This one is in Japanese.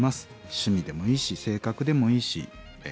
趣味でもいいし性格でもいいしえ